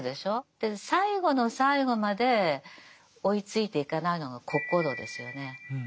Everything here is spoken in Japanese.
で最後の最後まで追いついていかないのが心ですよね。